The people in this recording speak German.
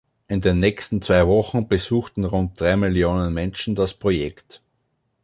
In den nächsten zwei Wochen besuchten rund drei Millionen Menschen das Projekt.